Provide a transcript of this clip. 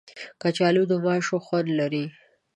کچالو د ماشو خوند لري